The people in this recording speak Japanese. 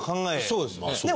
そうですね。